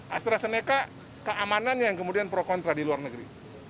astrazeneca keamanannya yang kemudian pro kontra di luar negeri